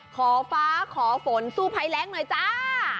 ขอฟ้าขอฝนสู้ภัยแรงหน่อยจ้า